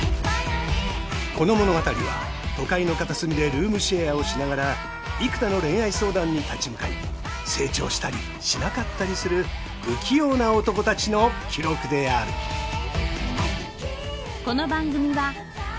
この物語は都会の片隅でルームシェアをしながら幾多の恋愛相談に立ち向かい成長したりしなかったりする不器用な男たちの記録である石渡麒一さん。